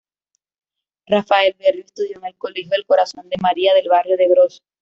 Rafael Berrio estudió en el colegio del Corazón de María del barrio de Gros.